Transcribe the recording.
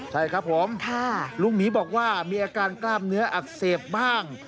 ใช่ครับผมลุงหมีบอกว่ามีอาการกล้ามเนื้ออักเสบบ้าง